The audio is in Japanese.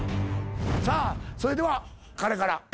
さあそれでは彼から。